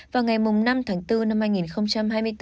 vào ngày năm tháng bốn năm hai nghìn hai mươi bốn